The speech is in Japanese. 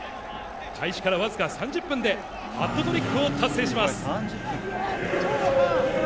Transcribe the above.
開始からわずか３０分でハットトリックを達成します。